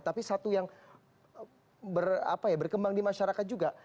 tapi satu yang berkembang di masyarakat juga